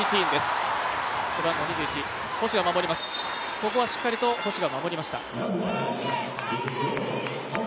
ここはしっかりと星が守りました。